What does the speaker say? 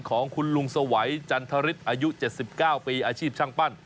ของคุณลุงสวัยจันทฤษอายุ๗๙ปีอาชีพช่างปั้น